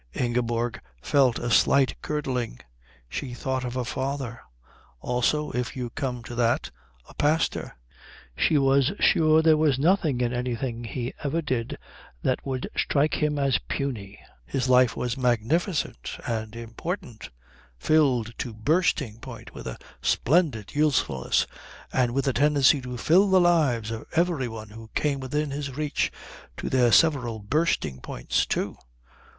Ingeborg felt a slight curdling. She thought of her father also, if you come to that, a pastor. She was sure there was nothing in anything he ever did that would strike him as puny. His life was magnificent and important, filled to bursting point with a splendid usefulness and with a tendency to fill the lives of every one who came within his reach to their several bursting points, too.